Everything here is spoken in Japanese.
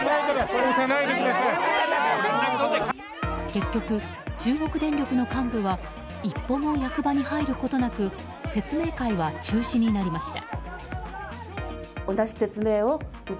結局、中国電力の幹部は一歩も役場に入ることなく説明会は中止になりました。